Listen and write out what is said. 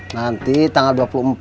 nanti tanggal dua puluh empat